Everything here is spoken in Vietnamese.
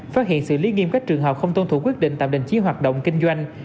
phát hiện sự lý nghiêm các trường hợp không tôn thủ quyết định tạm đình chí hoạt động kinh doanh